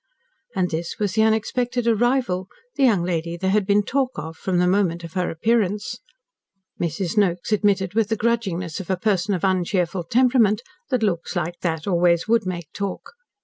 And this was the unexpected arrival the young lady there had been "talk of" from the moment of her appearance. Mrs. Noakes admitted with the grudgingness of a person of uncheerful temperament, that looks like that always would make talk.